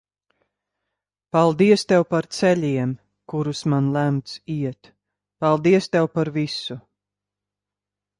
Paldies Tev par ceļiem, kurus man lemts iet. Paldies Tev par visu.